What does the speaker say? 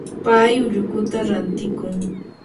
pay ullukuta rantiykun.